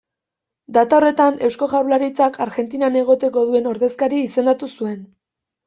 Data horretan, Eusko Jaurlaritzak Argentinan egoteko duen ordezkari izendatu zuten.